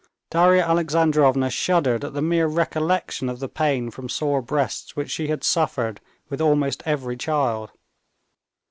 Darya Alexandrovna shuddered at the mere recollection of the pain from sore breasts which she had suffered with almost every child.